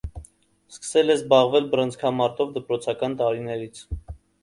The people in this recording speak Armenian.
Սկսել է զբաղվել բռնցքամարտով դպրոցական տարիներից։